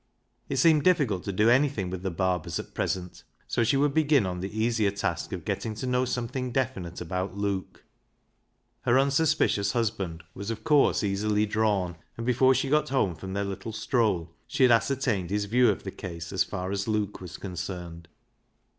It seemed difficult to do anything with the Barbers at present, so she would begin on the easier task of getting to know something definite about Luke. Her unsuspicious husband was, of course, easily drawn, and before she got home from their little stroll she had ascer tained his view of the case as far as Luke was concerned.